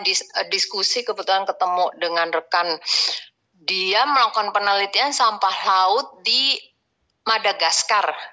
oh betul saya pernah diskusi kebetulan ketemu dengan rekan dia melakukan penelitian sampah laut di madagaskar